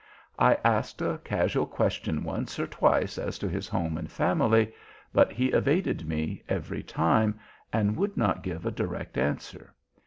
I asked a casual question once or twice as to his home and family, but he evaded me every time, and would not give a direct answer.